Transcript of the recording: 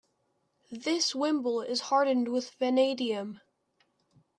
This wimble is hardened with vanadium.